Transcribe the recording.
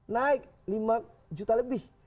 naik lima juta lebih